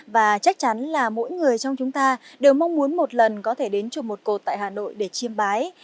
và chắc chắn là mỗi người trong chúng ta đều mong muốn một lần có thể đến chùa một cột tại hà nội để chiêm bái